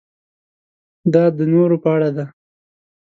دا د نورو په اړه ده.